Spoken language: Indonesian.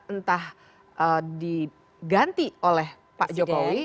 entah diganti oleh pak jokowi